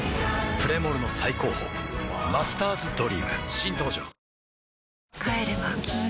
プレモルの最高峰「マスターズドリーム」新登場ワオキャー！！！